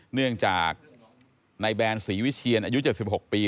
เนื่องจากในแบนศรีวิเชียนอายุ๗๖ปี